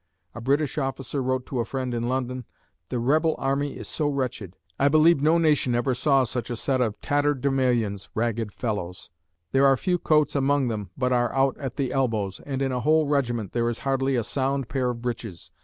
A British officer wrote to a friend in London: "The rebel army is so wretched! I believe no nation ever saw such a set of tatterdemalions (ragged fellows). There are few coats among them but are out at the elbows and in a whole regiment, there is hardly a sound pair of breeches.